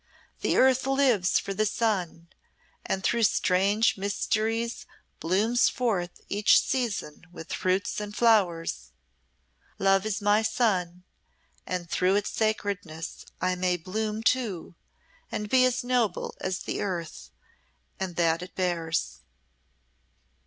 The earth lives for the sun, and through strange mysteries blooms forth each season with fruits and flowers; love is my sun, and through its sacredness I may bloom too, and be as noble as the earth and that it bears."